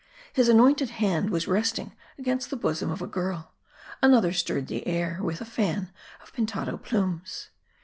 His anointed head was resting against the bosom of a girl ; another stirred the air, with a fan of Pintado plumes.